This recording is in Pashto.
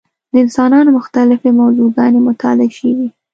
د انسانانو مختلفې موضوع ګانې مطالعه شوې.